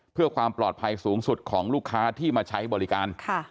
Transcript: เพื่อความปลอดภัยสูงสุดของลูกค้าที่มาใช้บริการ